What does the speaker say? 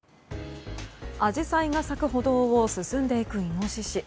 アジサイが咲く歩道を進んでいくイノシシ。